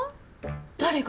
誰が？